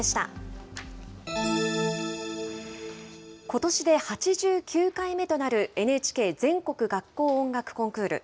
ことしで８９回目となるＮＨＫ全国学校音楽コンクール。